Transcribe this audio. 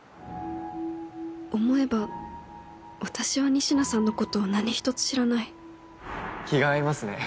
思えば私は仁科さんのことを何一つ知らない気が合いますね